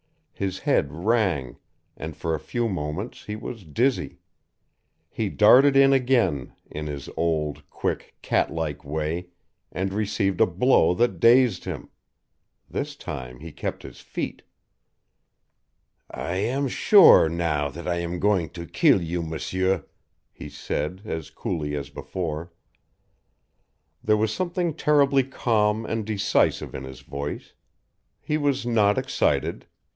His head rang, and for a few moments he was dizzy. He darted in again, in his old, quick, cat like way, and received a blow that dazed him. This time he kept his feet. "I am sure now that I am going to kill you, M'seur," he said, as coolly as before. There was something terribly calm and decisive in his voice. He was not excited.